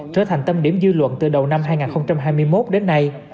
trở thành tâm điểm dư luận từ đầu năm hai nghìn hai mươi một đến nay